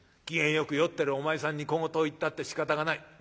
機嫌よく酔ってるお前さんに小言を言ったってしかたがない。